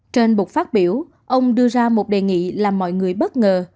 trên buộc phát biểu ông đưa ra một đề nghị làm mọi người bất ngờ